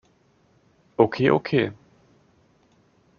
Okay, okay!